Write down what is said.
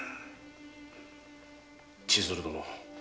千鶴殿。